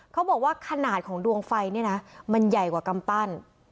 เขาบอกว่าขนาดของดวงไฟเนี่ยนะมันใหญ่กว่ากำปั้น